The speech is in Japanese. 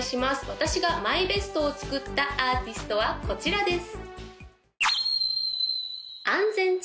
私がＭＹＢＥＳＴを作ったアーティストはこちらです